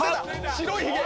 白いひげ！